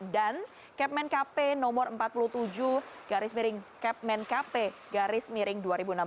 dan kepmen kp nomor empat puluh tujuh garis miring dua ribu enam belas